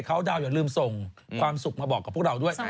เขาดาวนอย่าลืมส่งความสุขมาบอกกับพวกเราด้วย